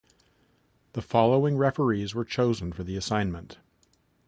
The following referees were chosen for the tournament.